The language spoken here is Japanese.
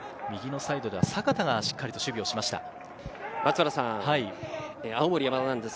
右のサイドでは阪田がしっかりと守備をしました。